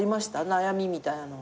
悩みみたいなのは。